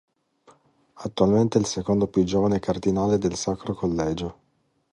Attualmente è il secondo più giovane cardinale del Sacro Collegio.